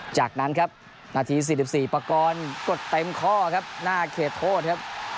จากนั้นครับนาที๔๔ปากรกดเต็มข้อครับหน้าเขตโทษครับ